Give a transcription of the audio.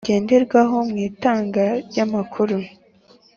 Ngenderwaho mu Itanga ry amakuru